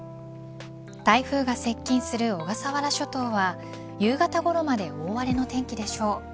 台風が接近する小笠原諸島は夕方ごろまで大荒れの天気でしょう。